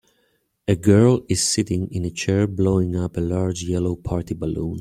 A girl is sitting in a chair blowing up a large yellow party balloon.